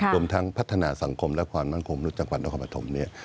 รวมทั้งพัฒนาสังคมและความมั่นควมรุตจังหวัดน้องความอธรรมเนี่ย